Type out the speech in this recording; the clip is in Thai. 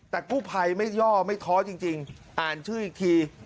แต่กู้ภัยไม่ย่อไม่ท้อจริงอ่านชื่ออีกที